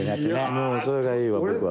それがいいわ僕は。